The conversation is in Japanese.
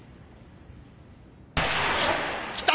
きた！